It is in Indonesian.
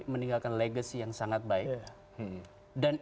meninggalkan legacy yang sangat baik dan